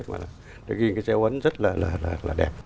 mà ghi cái gieo ấn rất là đẹp